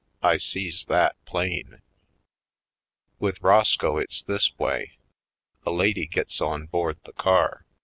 I sees that plain. With Roscoe it's this way: A lady gets on board the car.